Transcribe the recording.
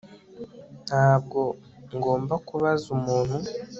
Ntabwo ngomba kubaza umuntu